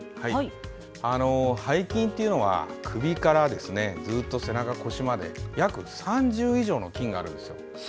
背筋というのは首からずっと背中、腰まで約３０以上の筋肉があるんですよ。